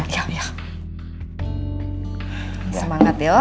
aku langsung jalan ya iya iya